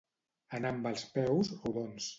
Anar amb els peus rodons.